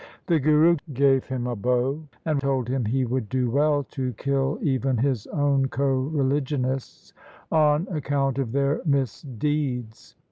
The Guru gave him a bow, and told him he would do well to kill even his own co religionists on account of their misdeeds.